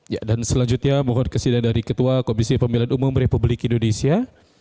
ya dan selanjutnya mohon kesidahan dari ketua komisi pemilihan umum republik indonesia